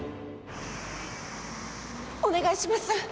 お願いします！